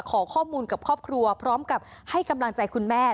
ขอข้อมูลกับครอบครัวพร้อมกับให้กำลังใจคุณแม่